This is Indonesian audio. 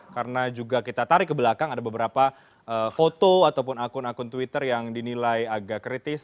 karena juga kita tarik ke belakang ada beberapa foto ataupun akun akun twitter yang dinilai agak kritis